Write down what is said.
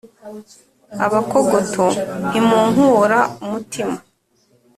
Abakogoto ntimunkura umutima.